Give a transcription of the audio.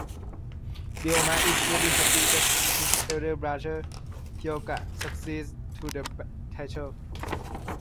Ryouma is very happy that his elder brother Hyuuga succeeds to the title.